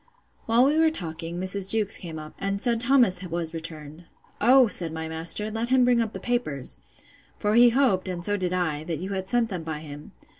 While we were talking, Mrs. Jewkes came up, and said Thomas was returned. O, said my master, let him bring up the papers: for he hoped, and so did I, that you had sent them by him.